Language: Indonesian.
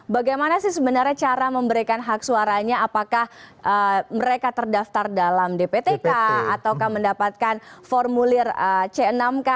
bagaimana sih sebenarnya cara memberikan hak suaranya apakah mereka terdaftar dalam dptk ataukah mendapatkan formulir c enam k